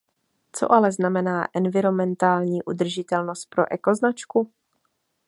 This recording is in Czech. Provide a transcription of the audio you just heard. Co ale znamená environmentální udržitelnost pro ekoznačku?